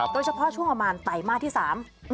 โดยเฉพาะช่วงประมาณไตรมาตรที่สาม